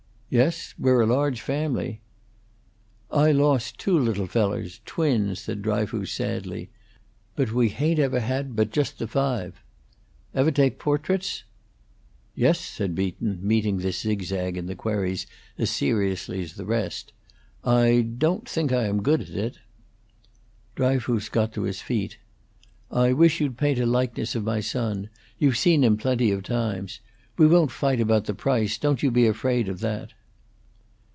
"Yes; we're a large family." "I lost two little fellers twins," said Dryfoos, sadly. "But we hain't ever had but just the five. Ever take portraits?" "Yes," said Beaton, meeting this zigzag in the queries as seriously as the rest. "I don't think I am good at it." Dryfoos got to his feet. "I wish you'd paint a likeness of my son. You've seen him plenty of times. We won't fight about the price, don't you be afraid of that."